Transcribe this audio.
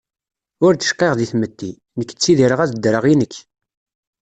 Ur d cqiɣ di tmetti, nekk ttidireɣ ad ddreɣ i nekk.